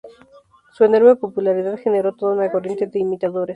Su enorme popularidad generó toda una corriente de imitadores.